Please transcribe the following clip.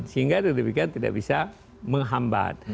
sehingga tidak bisa menghambat